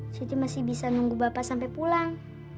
suti masih bisa nunggu bapak sampai pulang